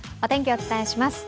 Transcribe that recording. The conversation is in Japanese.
お伝えします。